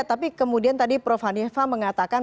tapi kemudian tadi prof hanifah mengatakan